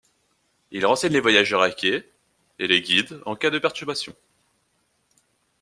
Il renseigne les voyageurs à quai et les guide en cas de perturbations.